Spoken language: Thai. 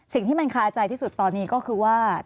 สิ่งที่มันคาใจที่สุดตอนนี้ก็คือว่า